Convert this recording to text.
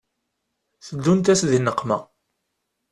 Teddunt-as di nneqma